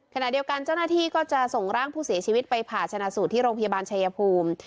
ขณะเดียวกันเจ้าหน้าที่ก็จะส่งร่างผู้เสียชีวิตไปผ่าชนะสูตรที่โรงพยาบาลชายภูมิ